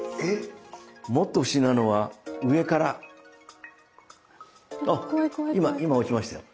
もっと不思議なのは上からあっ今落ちましたよ。